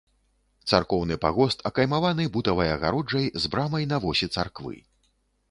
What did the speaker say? Царкоўны пагост акаймаваны бутавай агароджай з брамай на восі царквы.